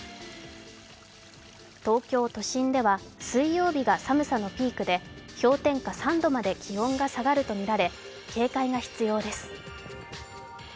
東京都心では水曜日が寒さのピークで、氷点下３度まで気温が下がるとみられ警戒が必要です。